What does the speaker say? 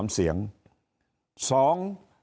๓๑๒เสียง